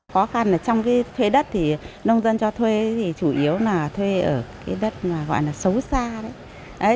khó khăn là trong cái thuê đất thì nông dân cho thuê thì chủ yếu là thuê ở cái đất gọi là xấu xa đấy